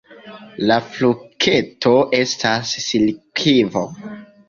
La frukto estas silikvo.